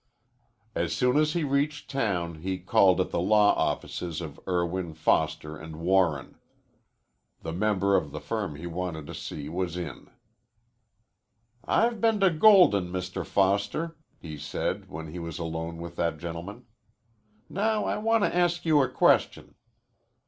As soon as he reached town he called at the law offices of Irwin, Foster & Warren. The member of the firm he wanted to see was in. "I've been to Golden, Mr. Foster," he said, when he was alone with that gentleman. "Now I want to ask you a question."